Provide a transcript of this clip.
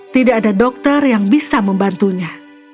tidak ada dokter yang bisa membantunya